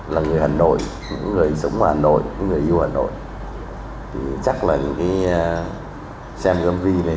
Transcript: là người hà nội những người sống ở hà nội những người yêu hà nội thì chắc là những cái xem mv này